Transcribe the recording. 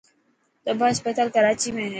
تباهه اسپتال ڪراچي ۾ هي.